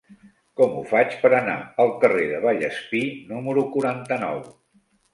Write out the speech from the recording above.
Com ho faig per anar al carrer de Vallespir número quaranta-nou?